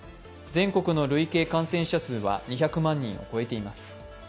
全国の累計感染者数は２００万人を超えています。